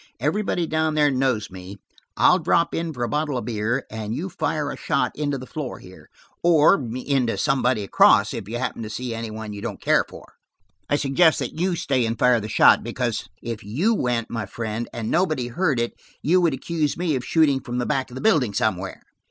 "Everybody down there knows me; I'll drop in for a bottle of beer, and you fire a shot into the floor here, or into somebody across, if you happen to see any one you don't care for. I suggest that you stay and fire the shot, because if you went, my friend, and nobody heard it, you would accuse me of shooting from the back of the building somewhere."